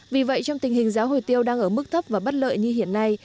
vì vậy trong tình hình giá hồi tiêu đang ở mức thấp và bất lợi như hiện nay